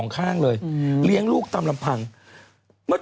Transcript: เขาตาบอด